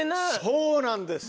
そうなんです。